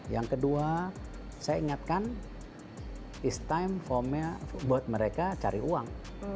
yang kedua saya ingatkan it's time for me buat mereka cari uang